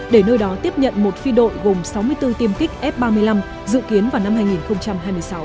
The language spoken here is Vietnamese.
để nơi đó tiếp nhận một phi đội gồm sáu mươi bốn tiêm kích f ba mươi năm dự kiến vào năm hai nghìn hai mươi sáu